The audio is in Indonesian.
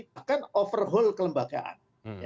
bahkan overhaul kelembagaan